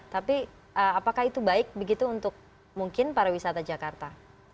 tapi apakah itu baik begitu untuk mungkin pariwisata jakarta